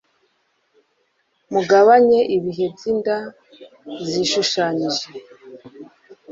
mugabanye ibihe by'inda zishushanyije